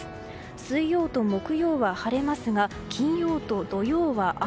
水曜と木曜は晴れますが金曜と土曜は雨。